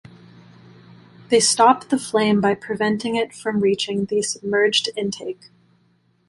They stop the flame by preventing it from reaching the submerged intake.